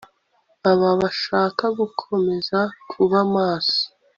aba ashaka gukomeza kuba maso